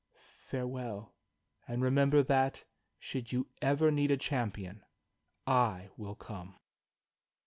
Farewell, and remember that, should you ever need a champion, I will come."